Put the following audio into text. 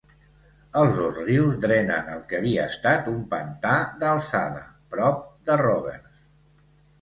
Els dos rius drenen el que havia estat un pantà d'alçada prop de Roberts.